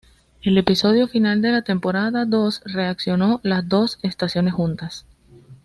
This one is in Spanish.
El episodio final de la temporada dos relacionó las dos estaciones juntas.